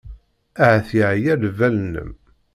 Ahat yeɛya lbal-nnem.